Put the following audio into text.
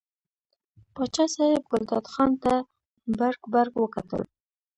پاچا صاحب ګلداد خان ته برګ برګ وکتل.